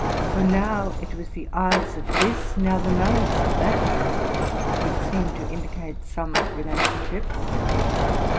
For now it was the eyes of this, now the nose of that, which seemed to indicate some relationship.